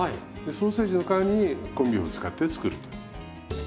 ソーセージの代わりにコンビーフを使って作ると。